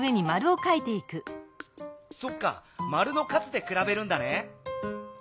そっか丸の数でくらべるんだね。